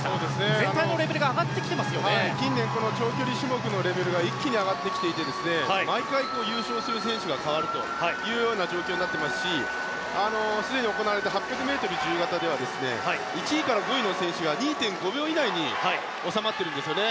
全体のレベルが近年長距離種目のレベルが一気に上がってきていて毎回優勝する選手が変わるという状況になってきていますしすでに行われた８００ｍ自由形では１位から８位の選手が２．５秒以内に収まっているんですね。